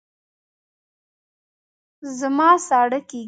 زما ساړه کېږي